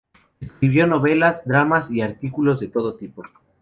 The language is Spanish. Escribió novelas, dramas y artículos de todo tipo.